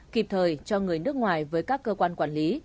kịp thời cho người nước ngoài với các cơ quan quản lý